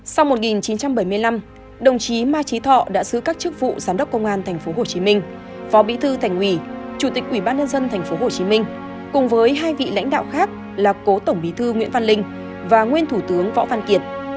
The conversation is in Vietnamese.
sau một nghìn chín trăm bảy mươi năm đồng chí ma trí thọ đã xứ các chức vụ giám đốc công an thành phố hồ chí minh phó bí thư thành ủy chủ tịch ủy ban nhân dân thành phố hồ chí minh cùng với hai vị lãnh đạo khác là cố tổng bí thư nguyễn văn linh và nguyên thủ tướng võ văn kiệt